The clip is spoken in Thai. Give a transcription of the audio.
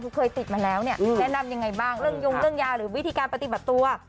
เขาเคยติดมาแล้วเนี่ยแนะนำยังไงบ้างเรื่องยงเรื่องยาหรือวิธีการปฏิบัติตัว